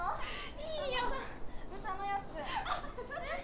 いいよ豚のやつアハハ！